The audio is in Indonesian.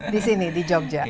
di sini di yogyakarta